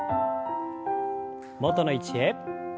元の位置へ。